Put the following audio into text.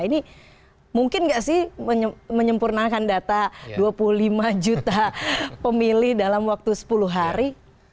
ini mungkin nggak sih menyempurnakan data dua puluh lima juta pemilih dalam waktu sepuluh hari